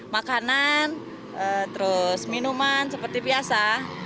makanan terus minuman seperti biasa